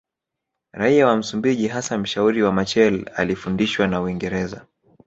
Raia wa Msumbiji hasa mshauri wa Machel alifundishwa na Uingereza